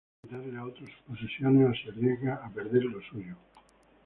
No debe quitarle a otros sus posesiones, o se arriesga a perder lo suyo.